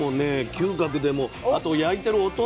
嗅覚でもあと焼いてる音